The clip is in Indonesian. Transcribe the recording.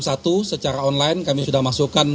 satu secara online kami sudah masukkan